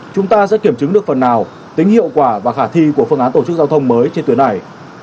chúng ta sẽ kiểm chứng được phần nào tính hiệu quả và khả thi của phương án tổ chức giao thông mới trên tuyến này